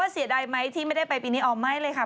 เสียดายไหมที่ไม่ได้ไปปีนี้อ๋อไม่เลยค่ะ